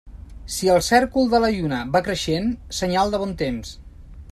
Si el cèrcol de la lluna va creixent, senyal de bon temps.